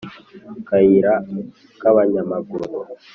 Akayira k'abanyamaguru